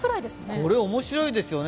これ、面白いですよね。